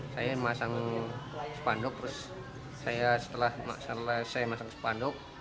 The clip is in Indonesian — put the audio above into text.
saya masang spanduk terus setelah saya masang spanduk